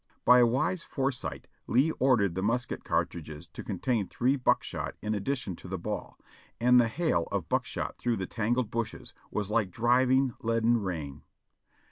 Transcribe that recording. By a wise foresight Lee ordered the musket cartridges to con tain three buckshot in addition to the ball, and the hail of buck shot through the tangled bushes was like driving, leaden rain.